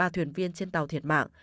ba thuyền viên trên tàu thiệt mạng